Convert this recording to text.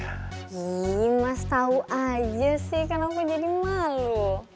ih mas tau aja sih kenapa jadi malu